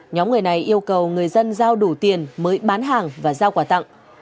nhóm người này yêu cầu người dân giao đủ tiền mới bán hàng và giao quả tặng